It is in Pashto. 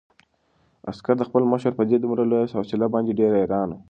عسکر د خپل مشر په دې دومره لویه حوصله باندې ډېر حیران و.